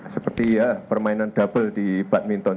seperti permainan double di badminton